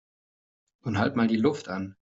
Nun halt mal die Luft an!